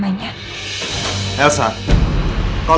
apa yang lu saksikan